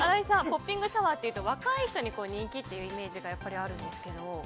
ポッピングシャワーというと若い人に人気というイメージがやっぱりあるんですけど。